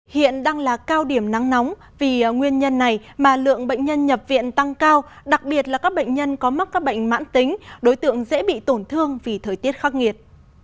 hiện đang là cao điểm nắng nóng vì nguyên nhân này mà lượng bệnh nhân nhập viện tăng cao đặc biệt là các bệnh nhân có mắc các bệnh mãn tính đối tượng dễ bị tổn thương vì thời tiết khắc nghiệt